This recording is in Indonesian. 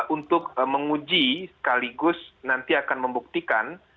untuk menguji sekaligus nanti akan membuktikan